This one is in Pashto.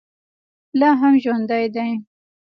لا هم ژوندی دی.